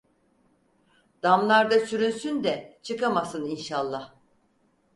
Damlarda sürünsün de çıkamasın inşallah…